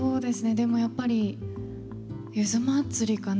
でもやっぱりゆずまつりかな。